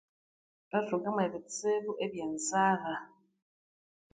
Nga thunga mwe bitsibu ebye nzalha